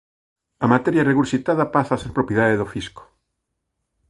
A materia regurxitada pasa a ser propiedade do fisco.